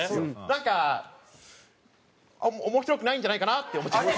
なんか面白くないんじゃないかなって思っちゃって。